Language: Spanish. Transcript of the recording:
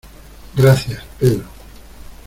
Gracias, Pedro.